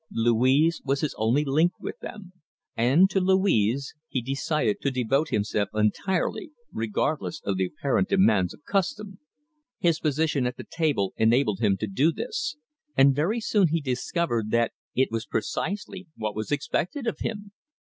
Louise was his only link with them, and to Louise he decided to devote himself entirely, regardless of the apparent demands of custom. His position at the table enabled him to do this, and very soon he discovered that it was precisely what was expected of him.